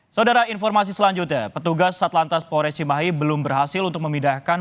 saudara informasi selanjutnya petugas satlantas polres cimahi belum berhasil untuk memindahkan